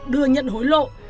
đưa nhận hối lộ